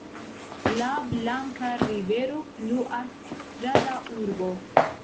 La Blanka Rivero fluas tra la urbo.